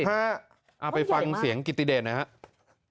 ถ้าไปฟังเสียงกริตติเดชนะครับ